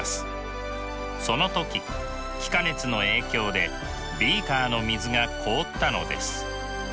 その時気化熱の影響でビーカーの水が凍ったのです。